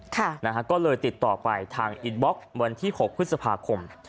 ก็เลยติดต่อไปทางอินบล็อกวันที่หกพฤษภาคม